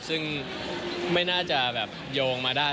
ซึ่งไม่น่าจะแบบโยงมาได้